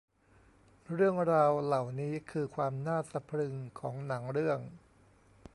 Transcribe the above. เรื่องราวเหล่านี้คือความน่าสะพรึงของหนังเรื่อง